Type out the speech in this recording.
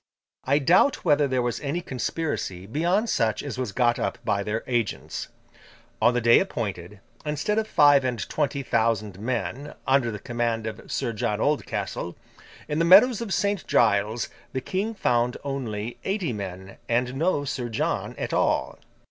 I doubt whether there was any conspiracy beyond such as was got up by their agents. On the day appointed, instead of five and twenty thousand men, under the command of Sir John Oldcastle, in the meadows of St. Giles, the King found only eighty men, and no Sir John at all.